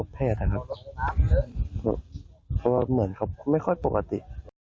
เพราะว่าเหมือนเขาไม่ค่อยปกติ